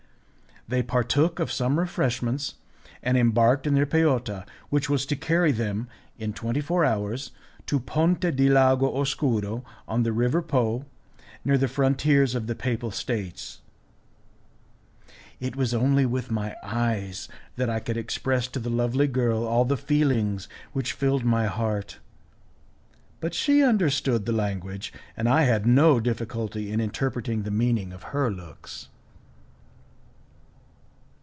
They partook of some refreshments, and embarked in their peotta, which was to carry them, in twenty four hours, to Ponte di Lago Oscuro, on the River Po, near the frontiers of the papal states. It was only with my eyes that I could express to the lovely girl all the feelings which filled my heart, but she understood the language, and I had no difficulty in interpreting the meaning of her looks.